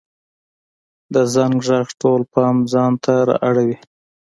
د زنګ ږغ ټول پام ځانته را اړوي.